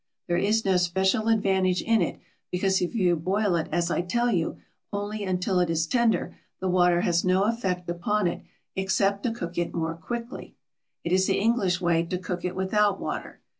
There is no special advantage in it, because if you boil it as I tell you, only until it is tender, the water has no effect upon it except to cook it more quickly. It is the English way to cook it without water.